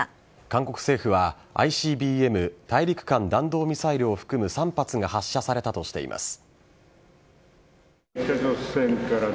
韓国政府はＩＣＢＭ＝大陸間弾道ミサイルを含む３発が発射されたとしています。